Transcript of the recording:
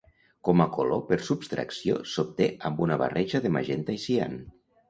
Com a color per subtracció s'obté amb una barreja de magenta i cian.